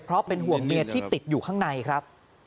เพราะเป็นห่วงเมียที่ติดอยู่ข้างในครับ